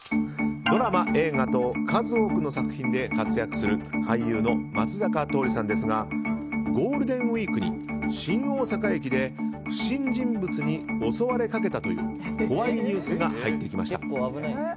ドラマ、映画と数多くの作品で活躍する俳優の松坂桃李さんですがゴールデンウィークに新大阪駅で不審人物に襲われかけたという怖いニュースが入ってきました。